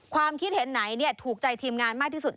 ความคิดเห็นไหนถูกใจทีมงานมากที่สุด